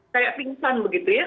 kayak pingsan begitu ya